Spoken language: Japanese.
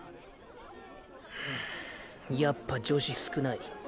うんやっぱ女子少ない。